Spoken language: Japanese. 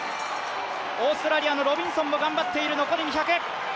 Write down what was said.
オーストラリアのロビンソンも頑張っている。